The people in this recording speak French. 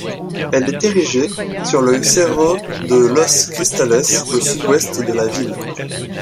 Elle est érigée sur le cerro de Los Cristales, au sud-ouest de la ville.